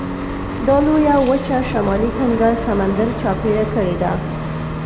دا لویه وچه شمالي کنګل سمندر چاپېره کړې ده.